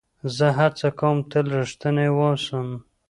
زه هڅه کوم تل رښتینی واوسم.